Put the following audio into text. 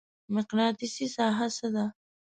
مقناطیسي ساحه څه ده؟